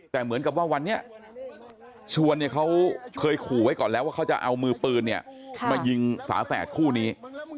แต่เหมือนกับว่าวันนี้ชวนเนี่ยเขาเคยขู่ไว้ก่อนแล้วว่าเขาจะเอามือปืนมายิงฝาแฝดคู่นี้